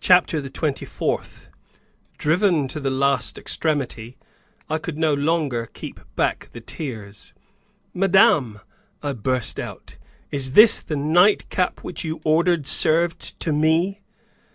CHAPTER THE TWENTY FOURTH. Driven to the last extremity, I could no longer keep back the tears. "Madame," I burst out, "is this the night cap which you ordered served to me?"